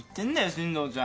進藤ちゃん。